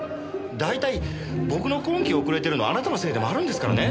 大体僕の婚期遅れてるのはあなたのせいでもあるんですからね。